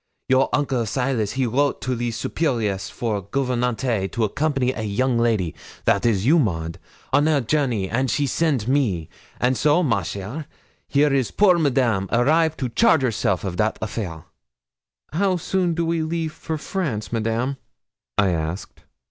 Your uncle Silas he wrote to the superioress for gouvernante to accompany a young lady that is you, Maud on her journey, and she send me; and so, ma chère, here is poor Madame arrive to charge herself of that affair.' 'How soon do we leave for France, Madame?' I asked.